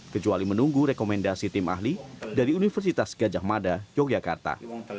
kecuali menunggu rekomendasi tim ahli dari universitas gajah mada yogyakarta